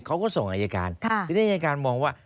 เขาก็ส่งอายการทีนี้อายการมองว่า